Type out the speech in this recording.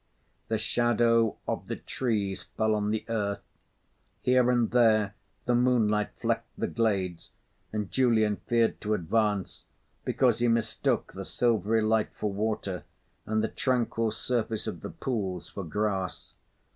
The shadow of the trees fell on the earth. Here and there, the moonlight flecked the glades and Julian feared to advance, because he mistook the silvery light for water and the tranquil surface of the pools for grass.